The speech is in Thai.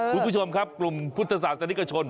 คุณผู้ชมครับกลุ่มพุทธศาสนิกชน